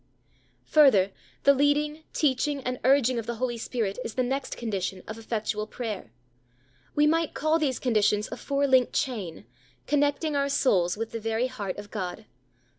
Further, the leading, teaching, and urging of the Holy Ghost is the next condition of effectual prayer. We might call these conditions a four linked chain, connecting our souls with the very heart of God.